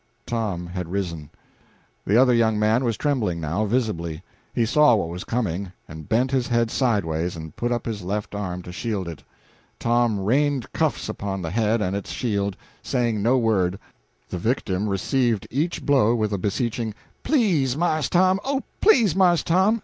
Tom had risen. The other young man was trembling now, visibly. He saw what was coming, and bent his head sideways, and put up his left arm to shield it. Tom rained cuffs upon the head and its shield, saying no word: the victim received each blow with a beseeching, "Please, Marse Tom! oh, please, Marse Tom!"